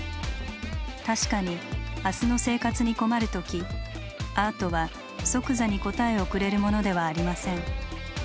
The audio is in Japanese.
確かに明日の生活に困る時アートは即座に答えをくれるものではありません。